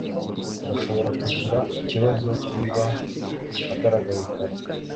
Turashobora kugira ikibazo niba agaragaye kare.